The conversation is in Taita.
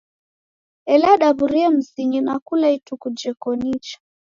Ela daw'urie mzinyi na kula ituku jeko nicha.